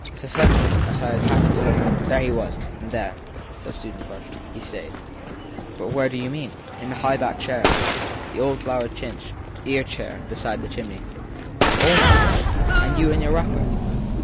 So, suddenly as I happened to look there he was. And there/ said Susan Frush, he stayed/ But where do you mean ? In the high backed chair, the old flowered chintz "ear chair" beside the chimney/ < All night ? and you in your wrapper